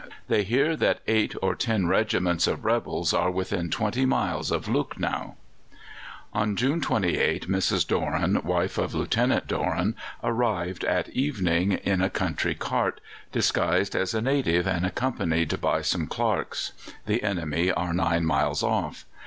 They hear that eight or ten regiments of rebels are within twenty miles of Lucknow. On June 28 Mrs. Dorin, wife of Lieutenant Dorin, arrived at evening in a country cart, disguised as a native and accompanied by some clerks. The enemy are nine miles off.